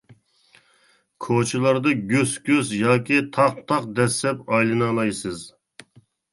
كوچىلاردا گۈس-گۈس ياكى تاق-تاق دەسسەپ ئايلىنالايسىز.